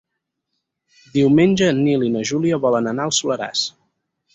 Diumenge en Nil i na Júlia volen anar al Soleràs.